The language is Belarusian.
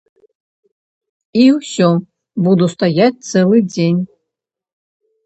І ўсё, буду стаяць цэлы дзень.